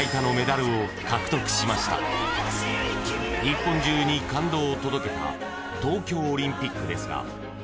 ［日本中に感動を届けた東京オリンピックですが］